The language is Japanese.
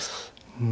うん。